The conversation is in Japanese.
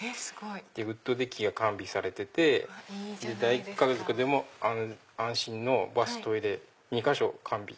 ウッドデッキが完備されてて大家族でも安心のバス・トイレ２か所完備。